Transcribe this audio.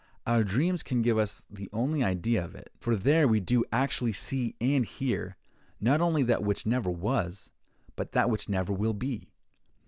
Our dreams can give us the only idea of it; for there we do actually see and hear, not only that which never was, but that which never will be.